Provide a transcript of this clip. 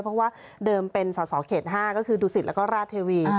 เพราะว่าเดิมเป็นสอสอเขต๕ก็คือดุสิตแล้วก็ราชเทวี